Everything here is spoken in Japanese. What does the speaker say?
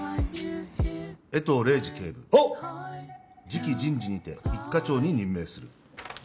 次期人事にて一課長に任命する。